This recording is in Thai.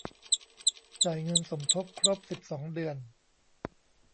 จ่ายเงินสมทบครบ สิบสอง เดือน